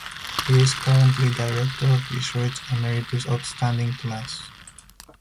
He is currently Director of Research Emeritus Outstanding Class.